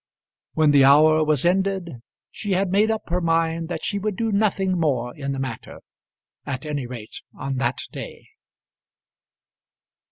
When the hour was ended she had made up her mind that she would do nothing more in the matter, at any rate on that day.